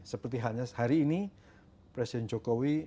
seperti halnya hari ini presiden jokowi